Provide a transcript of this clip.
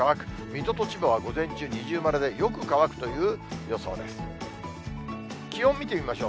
水戸と千葉は午前中二重丸で、よく乾くという予想です。